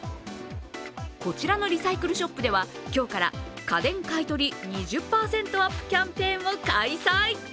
こちらのリサイクルショップでは今日から家電買い取り２０％アップキャンペーンを開催。